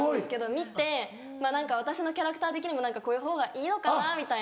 見て私のキャラクター的にも何かこういうほうがいいのかなみたいな。